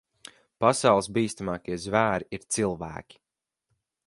Pasaules bīstamākie zvēri ir cilvēki.